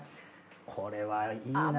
これはいいな。